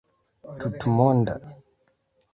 tutmonda